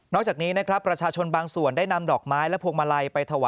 นอกจากนี้พระมห์ชาชนบางส่วนได้นำดอกไม้และพวกมะไหล่